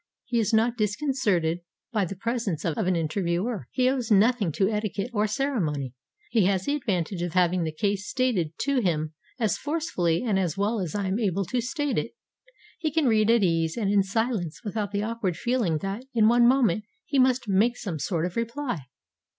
He is not disconcerted by the presence of an interviewer. He owes nothing to etiquette or ceremony. He has the advantage of having the case stated to him as forcefully and as well as I am able to state it. He can read at ease and in silence without the awkward feeling that, in one moment, he must make some sort of reply.